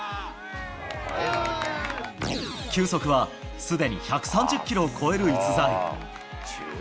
球速はすでに１３０キロを超える逸材。